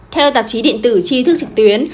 theo tạp chí điện tử tri thức trực tuyến